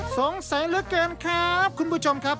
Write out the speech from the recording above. สงสัยเหลือเกินครับคุณผู้ชมครับ